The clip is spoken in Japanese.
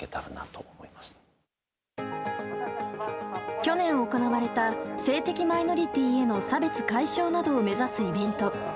去年行われた性的マイノリティーへの差別解消などを目指すイベント。